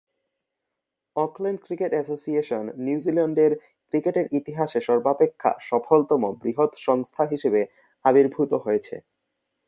Auckland cricket association নিউজিল্যান্ডের ক্রিকেটের ইতিহাসে সর্বাপেক্ষা সফলতম বৃহৎ সংস্থা হিসেবে আবির্ভূত হয়েছে।